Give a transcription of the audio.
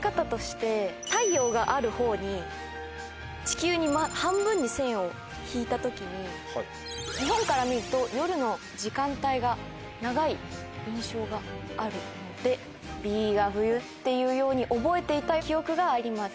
太陽があるほうに地球に半分に線を引いた時に日本から見ると夜の時間帯が長い印象があるのでＢが冬っていうように覚えていた記憶があります。